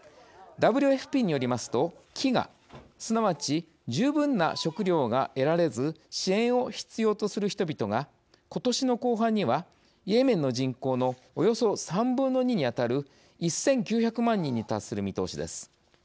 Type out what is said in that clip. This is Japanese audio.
ＷＦＰによりますと、「飢餓」すなわち、十分な食糧が得られず支援を必要とする人々がことしの後半には、イエメンの人口のおよそ３分の２に当たる１９００万人に達する見通しです。